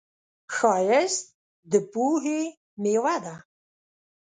ښایست د پوهې میوه ده